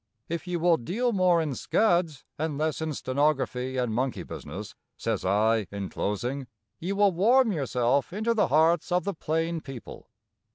"If you will deal more in scads and less in stenography and monkey business," says I, in closing, "you will warm yourself into the hearts of the plain people.